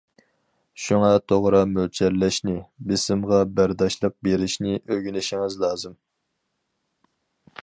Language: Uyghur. شۇڭا توغرا مۆلچەرلەشنى، بېسىمغا بەرداشلىق بېرىشنى ئۆگىنىشىڭىز لازىم.